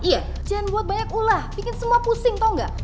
iya jangan buat banyak ulah bikin semua pusing tonggak